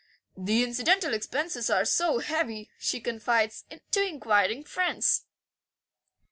"The incidental expenses are so heavy," she confides to inquiring friends.